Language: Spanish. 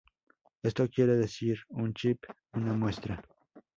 Esto quiere decir: un chip, una muestra.